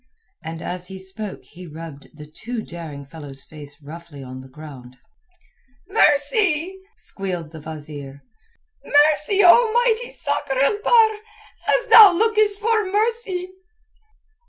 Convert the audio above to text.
And as he spoke he rubbed the too daring fellow's face roughly on the ground. "Mercy!" squealed the wazeer. "Mercy, O mighty Sakr el Bahr, as thou lookest for mercy!"